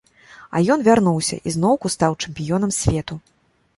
А ён вярнуўся і зноўку стаў чэмпіёнам свету.